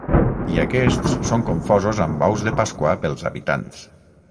I aquests són confosos amb ous de Pasqua pels habitants.